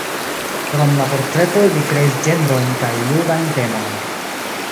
Krom la portretoj li kreis ĝenrojn kaj judajn temojn.